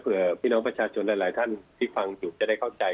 เพื่อพี่น้องประชาชนหลายท่านที่ฟังอยู่จะได้เข้าใจ